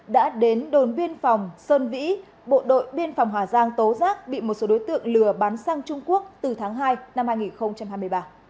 đã đến đồn biên phòng sơn vĩ bộ đội biên phòng hà giang tố rác bị một số đối tượng lừa bán sang trung quốc từ tháng hai năm hai nghìn hai mươi ba